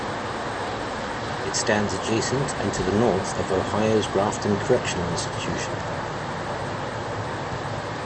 It stands adjacent and to the north of Ohio's Grafton Correctional Institution.